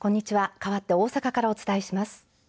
かわって大阪からお伝えします。